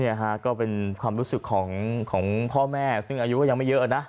ก็เป็นความรู้สึกของพ่อแม่ซึ่งอายุก็ยังไม่เยอะนะ